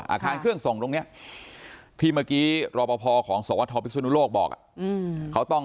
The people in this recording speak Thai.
อาคารเครื่องส่งตรงนี้ที่เมื่อกี้รอบพอของสวทธวรรณภิกษุนุโลกบอก